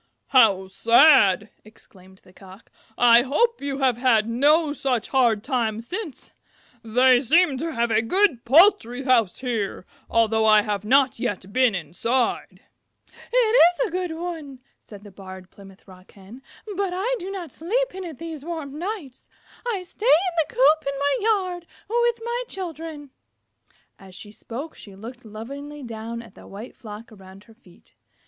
"How sad!" exclaimed the Cock. "I hope you have had no such hard time since. They seem to have a good poultry house here, although I have not yet been inside." "It is a good one," said the Barred Plymouth Rock Hen, "but I do not sleep in it these warm nights. I stay in a coop in my yard with my children." As she spoke she looked lovingly down at the white flock around her feet.